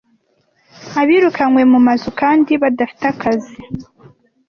abirukanwe mu mazu kandi badafite akazi